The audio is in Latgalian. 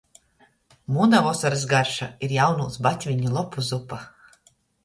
Muna vosorys garša ir jaunūs batviņu lopu zupa.